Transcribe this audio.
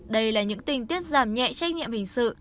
đây là những tình tiết giảm nhẹ trách nhiệm hình sự